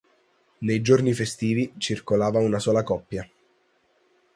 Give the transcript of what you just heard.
Nei giorni festivi, circolava una sola coppia.